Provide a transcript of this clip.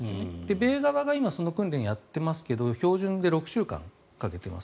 米側が今その訓練をやっていますが標準で６週間かけています。